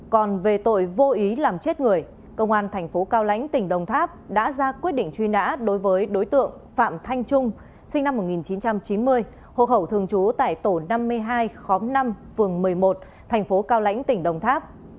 còn về tội vô ý làm chết người công an thành phố cao lãnh tỉnh đồng tháp đã ra quyết định truy nã đối với đối tượng phạm thanh trung sinh năm một nghìn chín trăm chín mươi hộ khẩu thường trú tại tổ năm mươi hai khóm năm phường một mươi một thành phố cao lãnh tỉnh đồng tháp